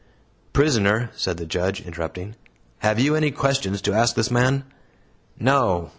"Prisoner," said the Judge, interrupting, "have you any questions to ask this man?" "No!